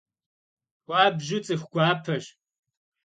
Xuabju ts'ıxu guapeş.